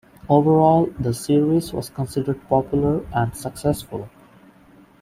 Overall the series was considered popular and successful.